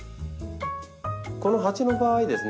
この鉢の場合ですね